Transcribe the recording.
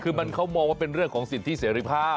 คือเขามองว่าเป็นเรื่องของสิทธิเสรีภาพ